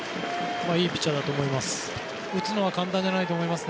いいピッチャーだと思います。